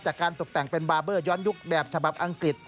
จากการตกแต่งเป็นบาร์เบอร์ย้อนยุคแบบฉบับอังกฤษ